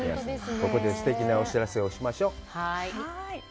ここですてきなお知らせをしましょう。